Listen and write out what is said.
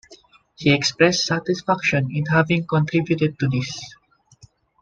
He expressed satisfaction in having contributed to this.